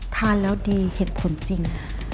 ทานแล้วดีเหตุผลจริง